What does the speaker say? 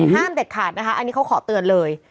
เด็ดขาดนะคะอันนี้เขาขอเตือนเลย